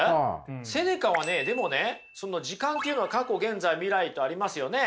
セネカはねでもねその時間っていうのは過去現在未来とありますよね。